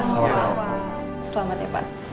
selamat ya pak